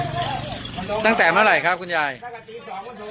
สมมติถึงอาหารกลับมาห้องกลับมา